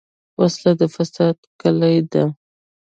وسله د فساد کلي ده